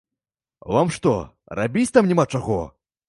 Вам што, рабіць там няма чаго?